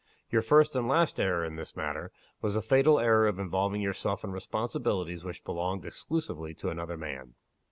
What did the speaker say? Your first and last error in this matter, was the fatal error of involving yourself in responsibilities which belonged exclusively to another man."